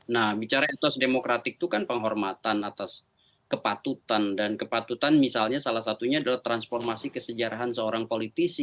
nah bicara etos demokratik itu kan penghormatan atas kepatutan dan kepatutan misalnya salah satunya adalah transformasi kesejarahan seorang politisi